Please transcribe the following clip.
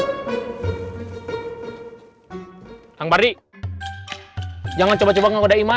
tang bardi jangan coba coba menggodaimu